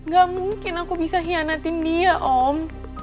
gak mungkin aku bisa hianatin dia om